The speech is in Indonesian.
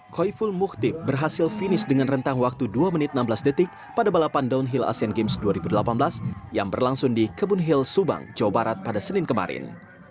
koi ful muktib berhasil finish dengan rentang waktu dua menit enam belas detik pada balapan downhill asian games dua ribu delapan belas yang berlangsung di kebun hill subang jawa barat pada senin kemarin